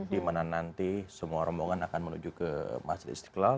di mana nanti semua rombongan akan menuju ke masjid istiqlal